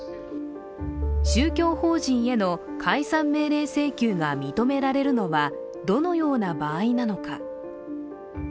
宗教法人への解散命令請求が認められるのは、どのような場合なのか。